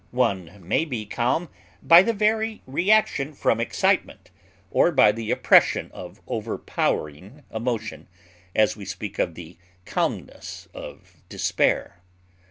One may be calm by the very reaction from excitement, or by the oppression of overpowering emotion, as we speak of the calmness of despair.